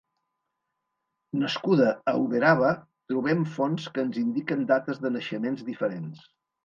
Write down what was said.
Nascuda a Uberaba, trobem fonts que ens indiquen dates de naixements diferents.